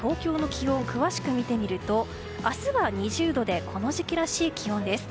気温詳しく見てみると明日は２０度でこの時期らしい気温です。